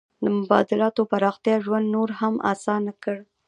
د مبادلاتو پراختیا ژوند نور هم اسانه کړ.